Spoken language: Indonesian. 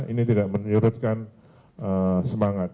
ini tidak menurutkan semangat